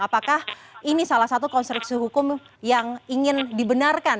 apakah ini salah satu konstruksi hukum yang ingin dibenarkan